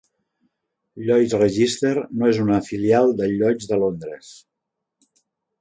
Lloyd's Register no és una filial de Lloyd's de Londres.